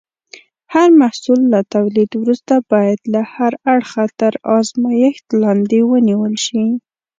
هر محصول له تولید وروسته باید له هر اړخه تر ازمېښت لاندې ونیول شي.